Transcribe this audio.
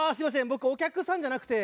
僕お客さんじゃなくて。